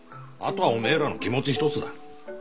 あとはお前らの気持ち一つだ。